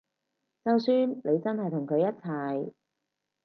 就算你真係同佢一齊